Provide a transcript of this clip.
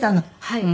はい。